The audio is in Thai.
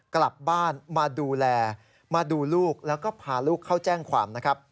กลับบ้านมาดูแลมาดูลูกและถูกพาลูกเข้าแจ้งความ